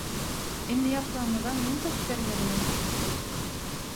«Indi ýapragyňyzam men tapyp bermelimi?»